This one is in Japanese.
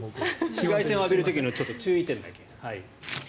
紫外線を浴びる時の注意点だけ。